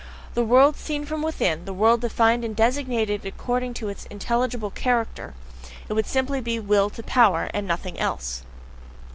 The world seen from within, the world defined and designated according to its "intelligible character" it would simply be "Will to Power," and nothing else.